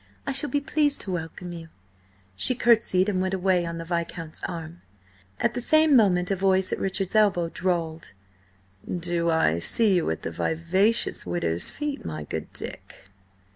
I shall be pleased to welcome you." She curtsied and went away on the Viscount's arm. At the same moment a voice at Richard's elbow drawled: "Do I see you at the vivacious widow's feet, my good Dick?"